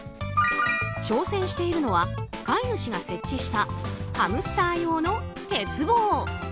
挑戦しているのは飼い主が設置したハムスター用の鉄棒。